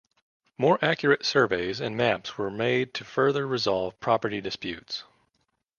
More accurate surveys and maps were made to further resolve property disputes.